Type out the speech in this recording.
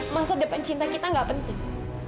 masa depan cinta kita gak penting